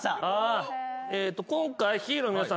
今回ヒーローの皆さん。